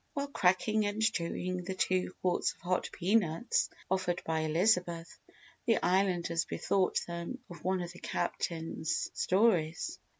While cracking and chewing the two quarts of hot peanuts offered by Elizabeth, the Islanders bethought them of one of the Captain's stories.